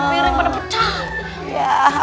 piring pada pecah